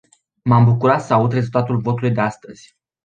M-am bucurat să aud rezultatul votului de astăzi.